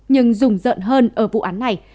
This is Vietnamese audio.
nhưng rùng rợn hơn ở vụ án này